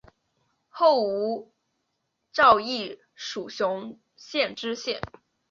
后吴兆毅署雄县知县。